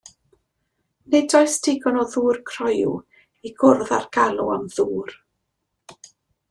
Nid oes digon o ddŵr croyw i gwrdd â'r galw am ddŵr.